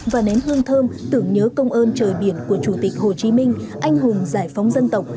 và nén hương thơm tưởng nhớ công ơn trời biển của chủ tịch hồ chí minh anh hùng giải phóng dân tộc